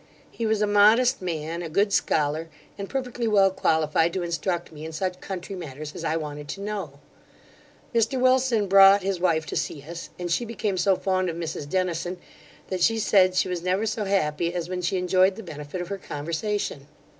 He was a modest man, a good scholar, and perfectly well qualified to instruct me in such country matters as I wanted to know. Mr Wilson brought his wife to see us, and she became so fond of Mrs Dennison, that she said she was never so happy as when she enjoyed the benefit of her conversation.